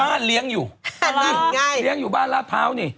จะเลี้ยงอยู่บ้านล้าพหาวนี่